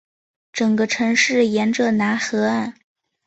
整个城市沿着楠河岸。